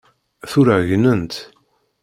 Tura gnent.